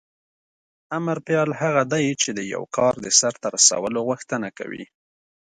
امر فعل هغه دی چې د یو کار د سرته رسولو غوښتنه کوي.